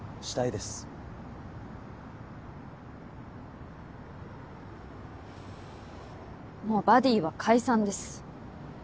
ふぅもうバディーは解散です。